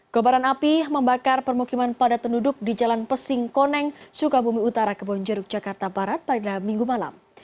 kobaran api membakar permukiman padat penduduk di jalan pesing koneng sukabumi utara kebonjeruk jakarta barat pada minggu malam